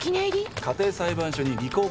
家庭裁判所に履行勧告